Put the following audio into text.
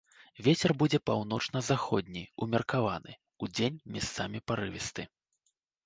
Вецер будзе паўночна-заходні ўмеркаваны, удзень месцамі парывісты.